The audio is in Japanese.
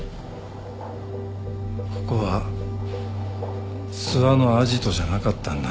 ここは諏訪のアジトじゃなかったんだね。